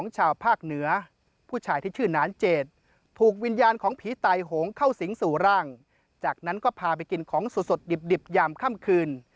จากนั้นก็พาไปกินของสดดิบยามค่ำคืน